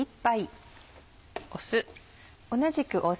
酢。